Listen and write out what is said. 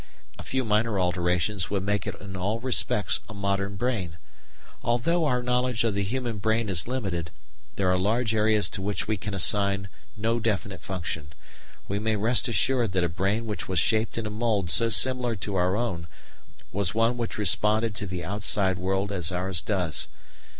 A few minor alterations would make it in all respects a modern brain.... Although our knowledge of the human brain is limited there are large areas to which we can assign no definite function we may rest assured that a brain which was shaped in a mould so similar to our own was one which responded to the outside world as ours does.